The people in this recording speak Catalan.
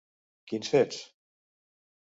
Quins fets?